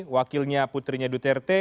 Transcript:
wakilnya putrinya duterte